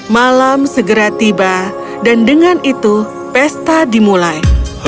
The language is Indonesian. malam segera tiba dan dengan itu pesta dimulai